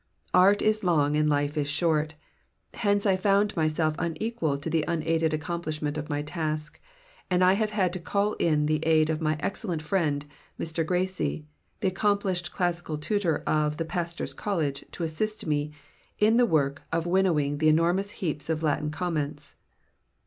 Art is long and life is short," hence I found myself unequal to the unaided accomplishment of my task, and I have had to call in the aid of my excellent friend Mr. Gracey, the accomplished classical tutor of '* the Pastors' College," to assist me fn the work of win nowing the enormous heaps of Latin comments.